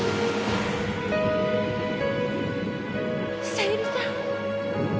小百合さん。